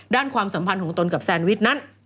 ความสัมพันธ์ของตนกับแซนวิชนั้น